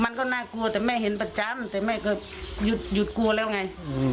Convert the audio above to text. มันก็น่ากลัวแต่แม่เห็นประจำแต่แม่ก็หยุดกลัวแล้วไง